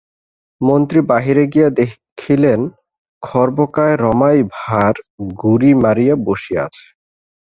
মন্ত্রী বাহিরে গিয়া দেখিলেন, খর্বকায় রমাই ভাঁড় গুড়ি মারিয়া বসিয়া আছে।